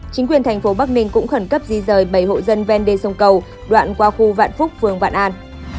chính quyền tp bắc ninh cũng khẩn cấp di rời bảy hộ dân ven đê sông cầu đoạn qua khu vạn phúc phương vạn an